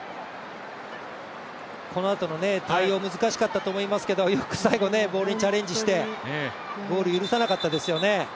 このあとの対応、難しかったと思いますけどよく最後、ボールにチャレンジしてゴール許さなかったですよね。